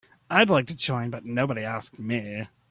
I'd like to join but nobody asked me.